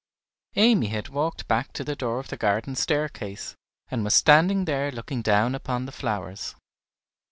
Amy had walked back to the door of the garden staircase, and was standing there looking down upon the flowers.